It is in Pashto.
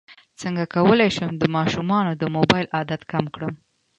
څنګه کولی شم د ماشومانو د موبایل عادت کم کړم